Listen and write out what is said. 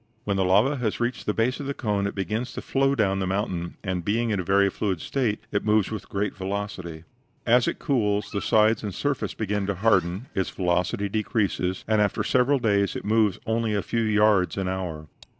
When the lava has reached the base of the cone it begins to flow down the mountain, and, being then in a very fluid state, it moves with great velocity. As it cools, the sides and surface begin to harden, its velocity decreases, and after several days it moves only a few yards an hour.